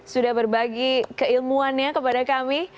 sudah berbagi keilmuannya kepada kami